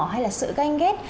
hay là sự ganh ghét